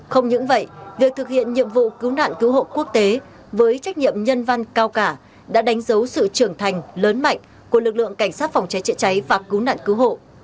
không những vậy việc thực hiện nhiệm vụ cứu nạn cứu hộ quốc tế với trách nhiệm nhân văn cao cả đã đánh dấu sự trưởng thành lớn mạnh của lực lượng cảnh sát phòng cháy chữa cháy và cứu nạn cứu hộ